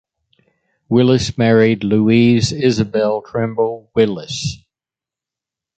Willis married Louise Isabel Trimble Willis.